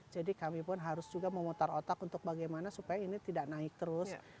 jadi kami pun harus juga memutar otak untuk bagaimana supaya ini tidak naik terus